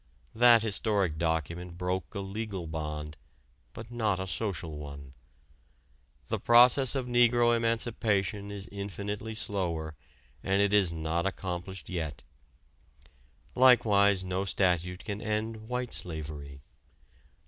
That historic document broke a legal bond but not a social one. The process of negro emancipation is infinitely slower and it is not accomplished yet. Likewise no statute can end "white slavery."